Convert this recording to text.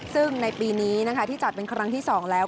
ซึ่งในปีนี้ที่จัดเป็นครั้งที่๒แล้ว